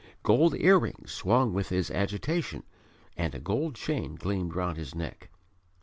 Gold earrings swung with his agitation and a gold chain gleamed round his neck.